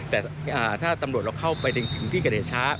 แต่ถ้าตำรวจเราเข้าไปถึงที่กระเดช้า